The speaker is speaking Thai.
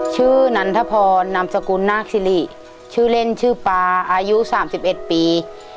นันทพรนามสกุลนาคสิริชื่อเล่นชื่อปลาอายุ๓๑ปี